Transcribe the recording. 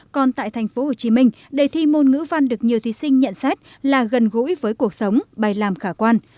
còn tại tp hcm đề thi môn ngữ văn được nhiều thí sinh nhận xét là gần gũi với cuộc sống bài làm khả quan